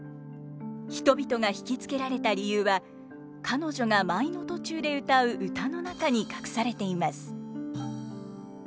人々が引き付けられた理由は彼女が舞の途中で歌う歌の中に隠されています。